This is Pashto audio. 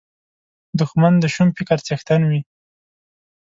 دښمن د شوم فکر څښتن وي